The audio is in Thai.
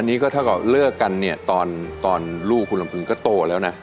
อันนี้ก็เท่ากับเลิกกันเนี่ยตอนลูกคุณลำอึงก็โตแล้วนะ